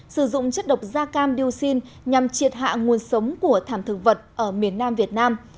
sử dụng chất độc da cam dioxin nhằm triệt hạ nguồn sống của thảm thực vật ở miền nam việt nam